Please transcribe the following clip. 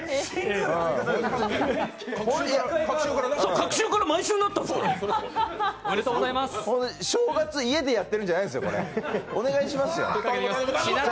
隔週から毎週になったんですから。